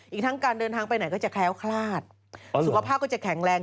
อีกทั้งการเดินทางไปไหนก็จะแคล้วคลาดสุขภาพก็จะแข็งแรง